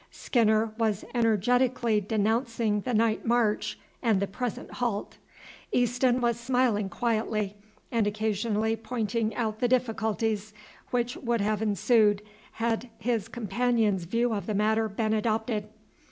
Skinner was energetically denouncing the night march and the present halt. Easton was smiling quietly, and occasionally pointing out the difficulties which would have ensued had his companion's view of the matter been adopted.